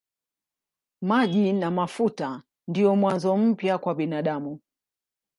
Maji na mafuta ndiyo mwanzo mpya kwa binadamu.